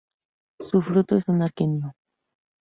Su fruto es un aquenio.